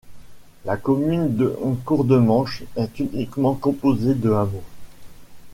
La commune de Courdemanche est uniquement composée de hameaux.